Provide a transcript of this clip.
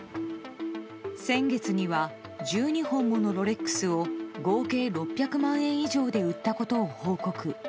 先月には１２本ものロレックスを合計６００万円以上で売ったことを報告。